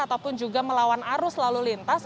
ataupun juga melawan arus lalu lintas